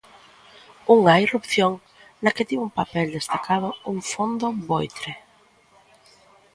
Unha irrupción na que tivo un papel destacado un fondo voitre.